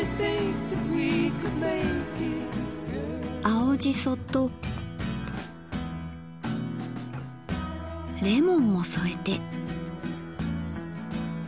青じそとレモンも添えて。